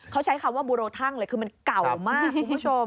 เขาใช้คำว่าบูโรทั่งเลยคือมันเก่ามากคุณผู้ชม